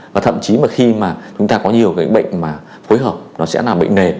và thậm chí mà khi mà chúng ta có nhiều cái bệnh mà phối hợp nó sẽ là bệnh nền